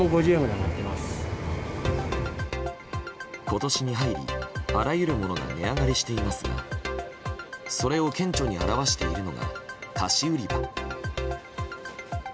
今年に入り、あらゆるものが値上がりしていますがそれを顕著に表しているのが菓子売り場。